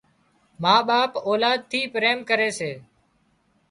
ما ٻاپ اولاد ٿي پريم ڪري سي